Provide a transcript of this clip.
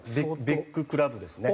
ビッグクラブですね。